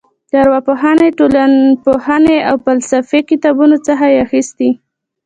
د ارواپوهنې ټولنپوهنې او فلسفې کتابونو څخه یې اخیستې.